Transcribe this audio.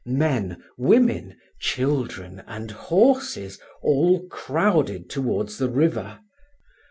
Men, women, children, and horses all crowded towards the river.